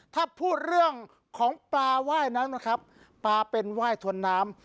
ถ้าพูดเรื่องของปลาไหว้นั้นนะครับปลาเป็นไหว้ทนน้ำ